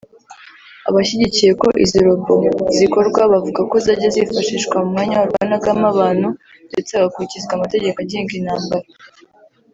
Abashyigikiye ko izi robots zikorwa bavuga ko zajya zifashishwa mu mwanya warwanagamo abantu ndetse hagakurikizwa amategeko agenga intambara